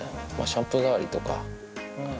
シャンプー代わりとか。